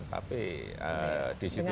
tapi di situ juga